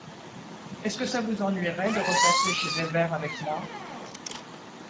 Est-ce que ça vous ennuierait de repasser chez Weber avec moi ?